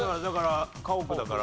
家屋だから。